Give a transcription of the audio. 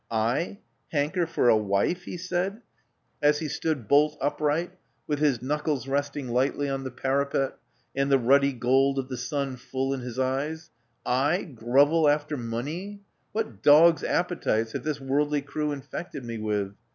/ hanker for diwife/ he said, as he stood Love Among the Artists 267 bolt upright, with his knuckles resting lightly on the parapet, and the ruddy gold of the sun full in his eyes. / grovel after money! What dog's appetites have this worldly crew infected me with!